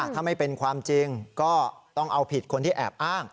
ถ้าไม่เป็นความจริงก็ต้องเอาผิดคนที่แอบอ้าง